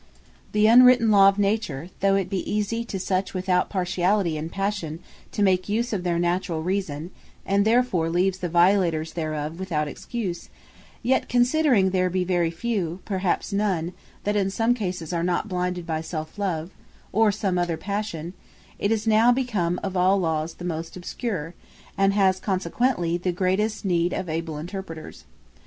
The unwritten Law of Nature, though it be easy to such, as without partiality, and passion, make use of their naturall reason, and therefore leaves the violators thereof without excuse; yet considering there be very few, perhaps none, that in some cases are not blinded by self love, or some other passion, it is now become of all Laws the most obscure; and has consequently the greatest need of able Interpreters.